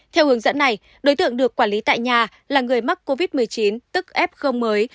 theo hướng dẫn này đối tượng được quản lý tại nhà là người mắc covid một mươi chín tức f mới